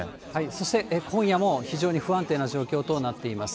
そして、今夜も非常に不安定な状況となっています。